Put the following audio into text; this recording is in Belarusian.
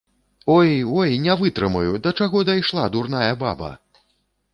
Ой, ой, не вытрымаю, да чаго дайшла дурная баба!